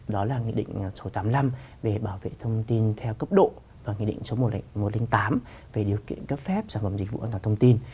đó là nghị định số tám mươi năm về bảo vệ thông tin theo cấp độ và nghị định số một trăm một mươi tám về điều kiện cấp phép sản phẩm dịch vụ an toàn thông tin